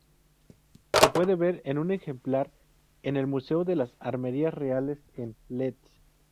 Se puede ver un ejemplar en el Museo de las Armerías Reales, en Leeds.